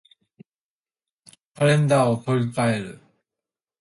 カレンダーを取り換える